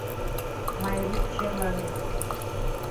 — Майрук черланен.